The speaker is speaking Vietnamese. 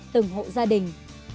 từng hộ gia đình